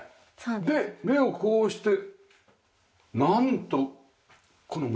で目をこうしてなんとこの窓。